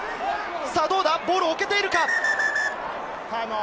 ボールを置けているか？